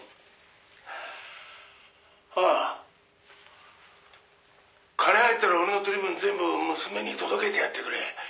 「ああ」「金が入ったら俺の取り分全部娘に届けてやってくれ」